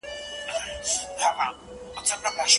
موږ له ډېر وخته له اروپا سره تجارت کوو.